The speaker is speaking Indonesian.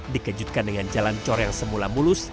dikejutkan dengan jalan cor yang semula mulus